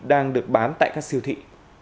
đang được bán tại các siêu thị